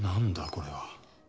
これは」